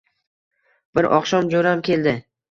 Bir oqshom jo‘ram keldi.